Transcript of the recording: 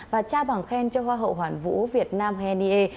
và tra bảng khen cho hoa hậu hoàn vũ việt nam hồ hèn nghê